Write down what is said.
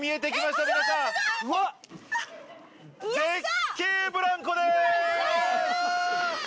皆さん、絶景ブランコです！